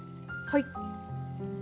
はい！